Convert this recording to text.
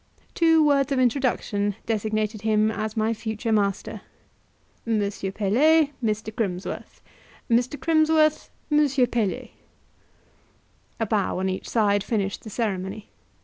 Two words of introduction designated him as my future master. "M. Pelet, Mr. Crimsworth; Mr. Crimsworth, M. Pelet," a bow on each side finished the ceremony.